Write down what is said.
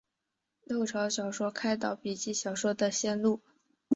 六朝小说开导笔记小说的先路。